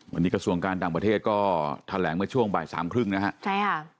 วันนี้กระทรวงการต่างประเทศก็แถลงเมื่อช่วงบ่ายสามครึ่งนะฮะใช่ค่ะ